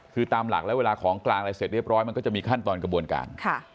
คือตามหลักที่ของคลางอะไรมันก็จะมีขั้นตอนกระบวนการ